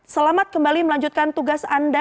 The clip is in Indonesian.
selamat kembali melanjutkan tugas anda